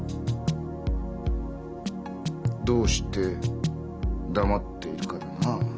どうして黙っているかだな。